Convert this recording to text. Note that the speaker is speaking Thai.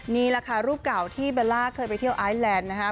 นี่แหละค่ะรูปเก่าที่เบลล่าเคยไปเที่ยวไอแลนด์นะครับ